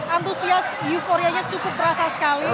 antusias euforianya cukup terasa sekali